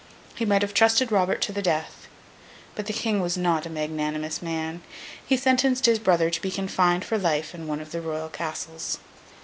he might have trusted Robert to the death. But the King was not a magnanimous man. He sentenced his brother to be confined for life in one of the Royal Castles.